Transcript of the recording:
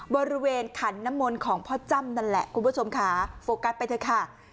ขันน้ำมนต์ของพ่อจ้ำนั่นแหละคุณผู้ชมค่ะโฟกัสไปเถอะค่ะ